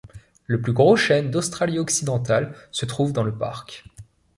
Le plus gros chêne d'Australie-Occidentale se trouve dans le parc.